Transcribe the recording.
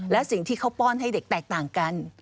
และสิ่งที่เขาป้อนให้เด็กแตกต่างกัน